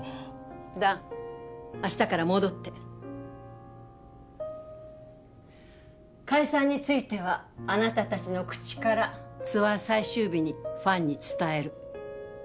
弾明日から戻って解散についてはあなた達の口からツアー最終日にファンに伝える